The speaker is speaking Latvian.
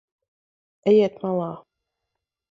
Ejiet malā.